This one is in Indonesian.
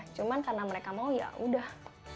cuma karena mereka mau ya sudah